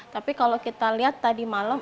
tapi kalau kita lihat tadi malam